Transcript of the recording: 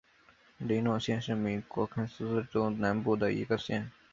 雷诺县是美国堪萨斯州中南部的一个县。